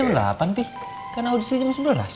ini jam delapan pi kan audisi jam sebelas